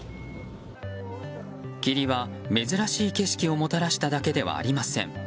霧は珍しい景色をもたらしただけではありません。